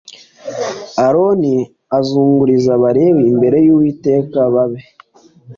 aroni azungurize abalewi imbere y uwiteka babe